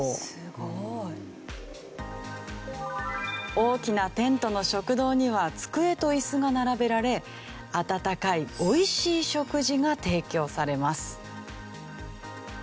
大きなテントの食堂には机と椅子が並べられ温かい美味しい食事が提供されます。